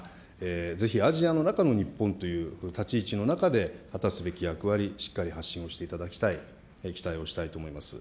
ぜひアジアの中の日本という立ち位置の中で果たすべき役割、しっかり発信をしていただきたい、期待をしたいと思います。